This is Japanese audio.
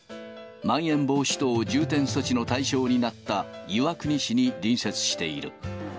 まん延防止等重点措置の対象になった岩国市に隣接している。